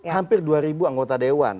hampir dua anggota dewan